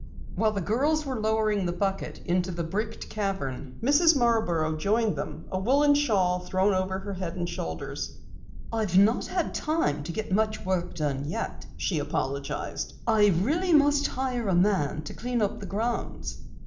While the girls were lowering the bucket into the bricked cavern, Mrs. Marborough joined them, a woolen shawl thrown over her head and shoulders. "I've not had time to get much work done yet," she apologized. "I really must hire a man to clean up the grounds."